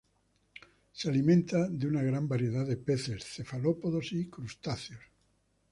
Se alimenta de una gran variedad de peces, cefalópodos y crustáceos.